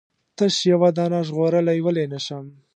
تش یوه دانه ژغورلای ولې نه شم؟